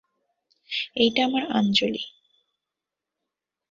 এইটা আমার আঞ্জলি।